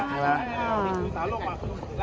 ใช่ไหม